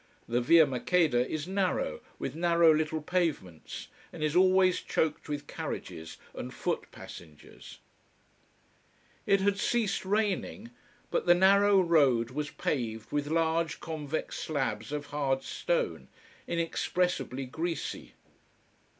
The Via Maqueda is narrow, with narrow little pavements, and is always choked with carriages and foot passengers. It had ceased raining. But the narrow road was paved with large, convex slabs of hard stone, inexpressibly greasy.